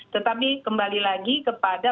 tetapi kembali lagi kepada